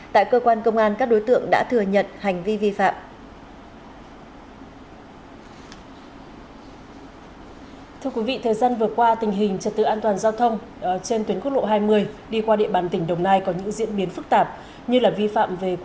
tại cơ quan công an các đối tượng đã thừa nhận hành vi vi phạm